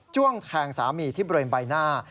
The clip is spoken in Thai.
้วงแทงสามีที่บริเวณใบหน้า